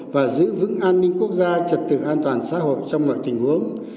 và giữ vững an ninh quốc gia trật tự an toàn xã hội trong mọi tình huống